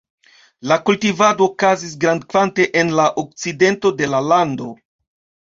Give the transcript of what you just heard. La kultivado okazis grandkvante en la okcidento de la lando.